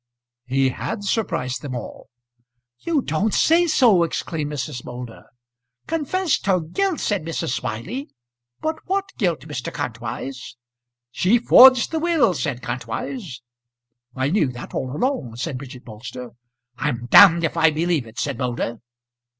He had surprised them all. "You don't say so," exclaimed Mrs. Moulder. "Confessed her guilt," said Mrs. Smiley. "But what guilt, Mr. Kantwise?" "She forged the will," said Kantwise. "I knew that all along," said Bridget Bolster. "I'm d if I believe it," said Moulder.